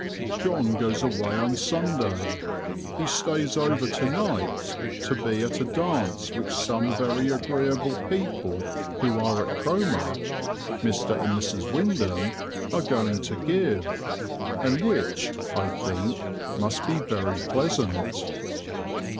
John goes away on Sunday; he stays over to night to be at a dance which some very agreeable people who are at Cromer Mr. and Mrs. Windham are going to give, and which, I think, must be very pleasant."